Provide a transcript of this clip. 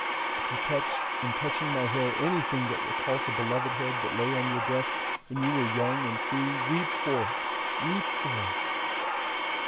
If you touch, in touching my hair, anything that recalls a beloved head that lay on your breast when you were young and free, weep for it, weep for it!